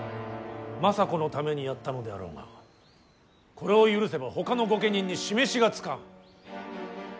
政子のためにやったのであろうがこれを許せばほかの御家人に示しがつかん。